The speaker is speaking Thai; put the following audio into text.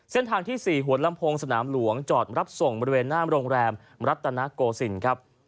เส้นทางที่๔หวนลำโพงสนามหลวงจอดรับส่งบริเวณหน้าโรงแรมมรัตนโกสินครับ